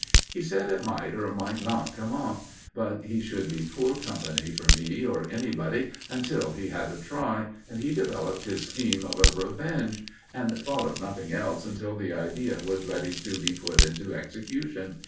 He said it might or might not come off; but he should be poor company for me, or anybody, until he had had a try, and he developed his scheme of a revenge, and thought of nothing else until the idea was ready to be put into execution.